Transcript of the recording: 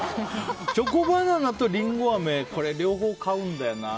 チョコバナナとりんごあめ両方買うんだよな。